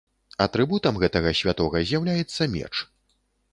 Атрыбутам гэтага святога з'яўляецца меч.